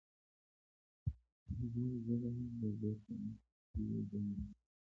زموږ ژبه د زور په مخ کې ګونګه شي.